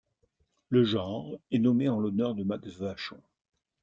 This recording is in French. Le genre est nommé en l'honneur de Max Vachon.